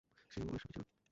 সেও এর সাক্ষী ছিল।